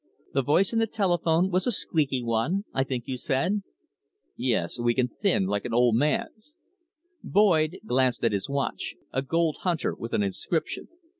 The voice in the telephone was a squeaky one, I think you said?" "Yes, weak and thin, like an old man's." Boyd glanced at his watch a gold hunter with an inscription.